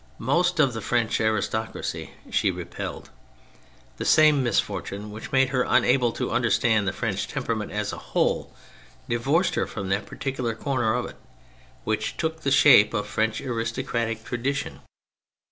Most of the French aris tocracy she repelled. The same misfortune which made her unable to understand the French temperament as a whole divorced her from that particular corner of it which took the shape of French aristocratic tradi tion.